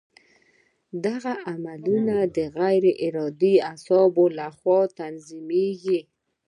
دغه عملونه د غیر ارادي اعصابو له خوا تنظیمېږي.